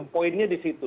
poinnya di situ